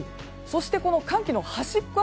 そして寒気の端っこ